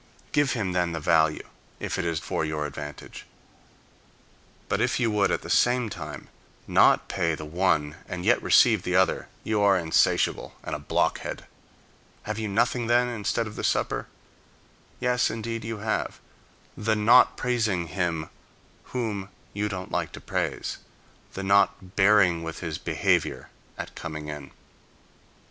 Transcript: Give him then the value, if it is for your advantage. But if you would, at the same time, not pay the one and yet receive the other, you are insatiable, and a blockhead. Have you nothing, then, instead of the supper? Yes, indeed, you have: the not praising him, whom you don't like to praise; the not bearing with his behavior at coming in.